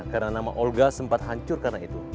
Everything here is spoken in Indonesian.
karena nama olga sempat hancur karena itu